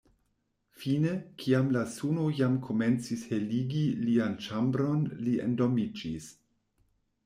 Fine, kiam la suno jam komencis heligi lian ĉambron li endormiĝis.